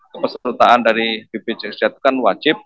kepesertaan dari bpjsz kan wajib